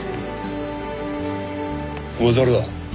お前誰だ？